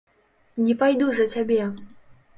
Не пайду за цябе!